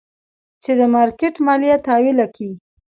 چې د مارکېټ ماليه تاويله کي.